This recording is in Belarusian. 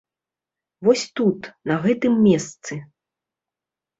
Вось тут, на гэтым месцы.